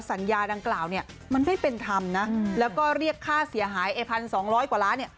สัญญาดังกล่าวเนี่ยมันไม่เป็นธรรมนะแล้วก็เรียกค่าเสียหายไอ้๑๒๐๐กว่าล้านเนี่ย